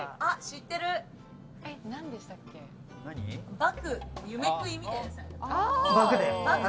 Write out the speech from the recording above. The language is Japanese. バク、夢食いみたいなやつ。